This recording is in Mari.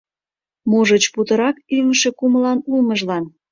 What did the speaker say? Можыч, путырак ӱҥышӧ кумылан улмыжлан?